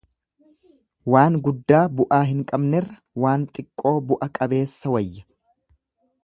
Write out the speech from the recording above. Waan guddaa bu'aa hin qabnerra waan xiqqoo bu'a qabeessa wayya.